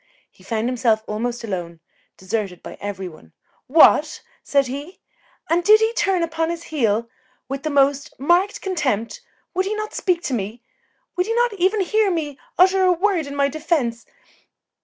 He found himself almost alone, deserted by every one. "What!" said he, "and did he turn upon his heel with the most marked contempt? Would he not speak to me? Would he not even hear me utter a word in my defence?"